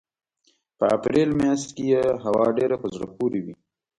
په اپرېل مياشت کې یې هوا ډېره په زړه پورې وي.